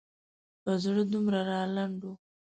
په زړه دومره رالنډ و.